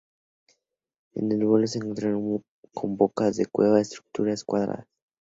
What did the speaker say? En el vuelo se encuentran con bocas de cuevas, estructuras cuadradas.